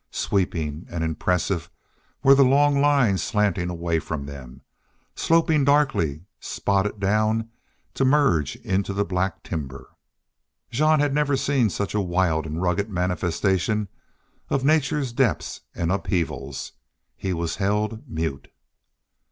Sweeping and impressive were the long lines slanting away from them, sloping darkly spotted down to merge into the black timber. Jean had never seen such a wild and rugged manifestation of nature's depths and upheavals. He was held mute.